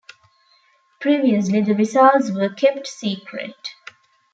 Previously, the results were kept secret.